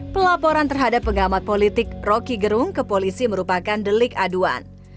pelaporan terhadap pengamat politik roky gerung ke polisi merupakan delik aduan